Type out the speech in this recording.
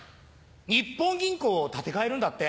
日本銀行を建て替えるんだって。